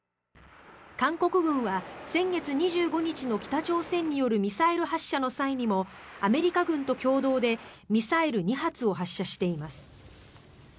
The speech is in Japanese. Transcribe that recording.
韓国軍は、先月２５日の北朝鮮によるミサイル発射の際にもアメリカ軍と共同でミサイル２発を発射しています。